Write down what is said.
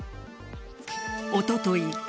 おととい